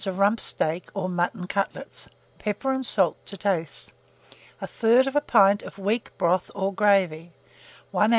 of rump steak or mutton cutlets, pepper and salt to taste, 1/3 pint of weak broth or gravy, 1 oz.